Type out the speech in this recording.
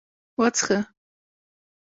_وڅښه!